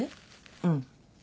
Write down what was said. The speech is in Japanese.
うん。